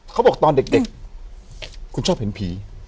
เขาบอกตอนเด็กคุณชอบเห็นผี